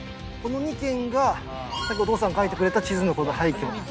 この２軒がさっきお父さん描いてくれた地図のこの廃虚。